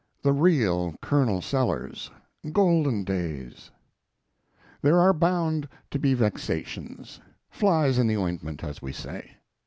THE REAL COLONEL SELLERS GOLDEN DAYS There are bound to be vexations, flies in the ointment, as we say.